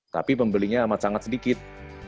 tapi pembelinya amat sangat sedikit